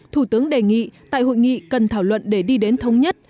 thủ tướng đề nghị tại hội nghị cần thảo luận để đi đến thống nhất